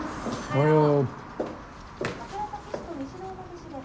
おはよう。